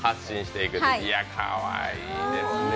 いや、かわいいですね。